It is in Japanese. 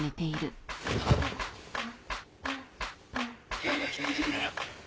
いやいやいやいや。